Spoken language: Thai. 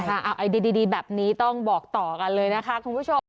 เอาไอดีแบบนี้ต้องบอกต่อกันเลยนะคะคุณผู้ชม